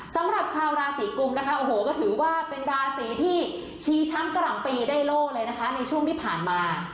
สำหรับชาวราศีกุมนะคะโอ้โหก็ถือว่าเป็นราศีที่ชีช้ำกล่ำปีได้โลกเลยนะคะในช่วงที่ผ่านมา